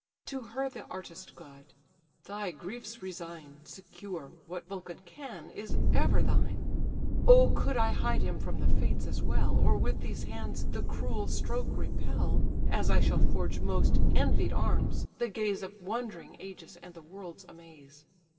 To her the artist god: "Thy griefs resign, Secure, what Vulcan can, is ever thine. O could I hide him from the Fates, as well, Or with these hands the cruel stroke repel, As I shall forge most envied arms, the gaze Of wondering ages, and the world's amaze!"